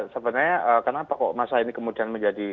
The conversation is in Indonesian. sebenarnya kenapa kok masa ini kemudian menjadi